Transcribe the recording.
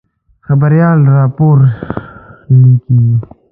خبریال راپور لیکي.